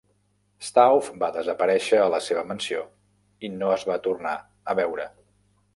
Stauf va desaparèixer a la seva mansió i no es va tornar a veure.